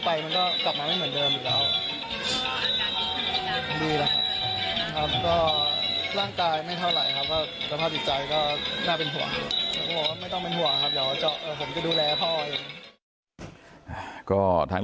ผมว่าไม่ต้องเป็นการห่วงผมจะดูแลพ่อเอง